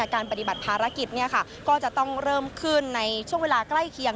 การปฏิบัติภารกิจก็จะต้องเริ่มขึ้นในช่วงเวลาใกล้เคียง